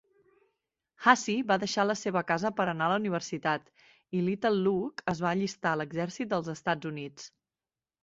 Hassie va deixar la seva casa per anar a la universitat, i Little Luke es va allistar a l'exèrcit dels Estatus Units.